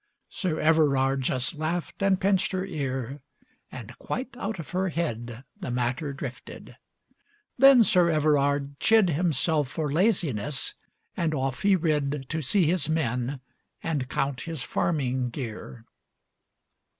Sir Everard just laughed and pinched her ear, And quite out of her head The matter drifted. Then Sir Everard chid Himself for laziness, and off he rid To see his men and count his farming gear.